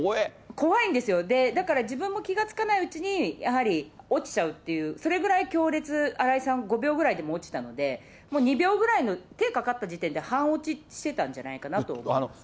怖いんですよ、だから自分も気が付かないうちにやはり落ちちゃうっていう、それぐらい強烈、新井さん、５秒ぐらいでもう落ちたので、もう２秒ぐらい、手かかったぐらいで半落ちしてたんじゃないかなと思います。